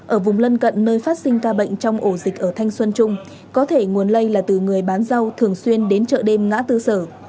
ở vùng lân cận nơi phát sinh ca bệnh trong ổ dịch ở thanh xuân trung có thể nguồn lây là từ người bán rau thường xuyên đến chợ đêm ngã tư sở